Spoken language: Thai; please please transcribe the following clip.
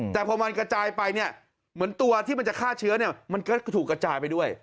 แต่พอมันกระจายไปเนี่ยเหมือนตัวที่มันจะฆ่าเชื้อเนี่ยมันก็ถูกกระจายไปด้วย